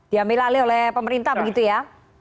diambil alih oleh pemerintah begitu ya